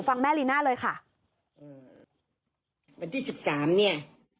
ฟังแม่ลีน่าเลยค่ะวันที่๑๓เนี่ย